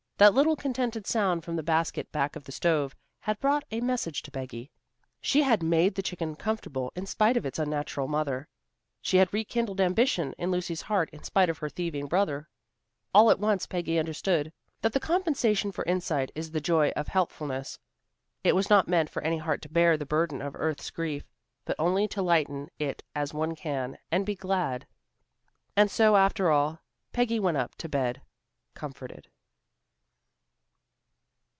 That little contented sound from the basket back of the stove had brought a message to Peggy. She had made the chicken comfortable in spite of its unnatural mother. She had rekindled ambition in Lucy's heart in spite of her thieving brother. All at once Peggy understood that the compensation for insight is the joy of helpfulness. It was not meant for any heart to bear the burden of earth's grief, but only to lighten it as one can, and be glad. And so, after all, Peggy went up to bed comforted.